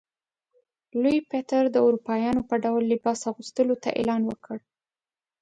لوی پطر د اروپایانو په ډول لباس اغوستلو ته اعلان وکړ.